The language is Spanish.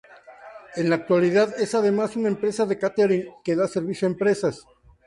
En la actualidad es además una empresa de cáterin que da servicio a empresas.